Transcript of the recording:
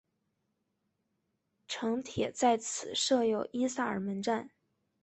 城铁在此设有伊萨尔门站。